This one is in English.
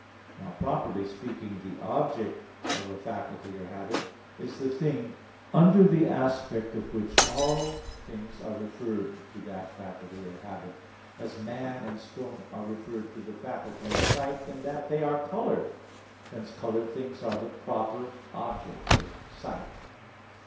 Now properly speaking, the object of a faculty or habit is the thing under the aspect of which all things are referred to that faculty or habit, as man and stone are referred to the faculty of sight in that they are colored. Hence colored things are the proper objects of sight.